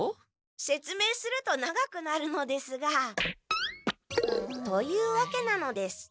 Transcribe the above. せつめいすると長くなるのですが。というわけなのです。